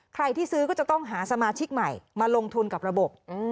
ใครที่ซื้อก็จะต้องหาสมาชิกใหม่มาลงทุนกับระบบ